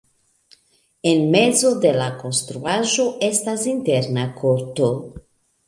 En mezo de la konstruaĵo estas interna korto.